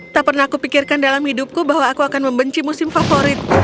tak pernah aku pikirkan dalam hidupku bahwa aku akan membenci musim favorit